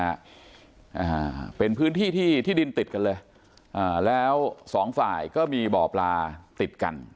อ่าเป็นพื้นที่ที่ที่ดินติดกันเลยอ่าแล้วสองฝ่ายก็มีบ่อปลาติดกัน